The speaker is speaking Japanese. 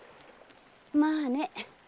まあね